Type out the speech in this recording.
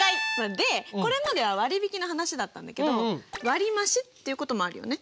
でこれまでは割引の話だったんだけど割増っていうこともあるよね？